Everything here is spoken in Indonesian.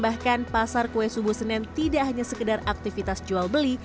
bahkan pasar kue subuh senen tidak hanya sekedar aktivitas jual beli